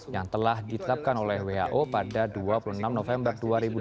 yang telah ditetapkan oleh who pada dua puluh enam november dua ribu dua puluh